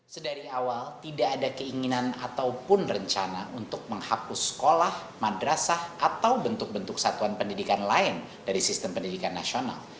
sedari awal tidak ada keinginan ataupun rencana untuk menghapus sekolah madrasah atau bentuk bentuk satuan pendidikan lain dari sistem pendidikan nasional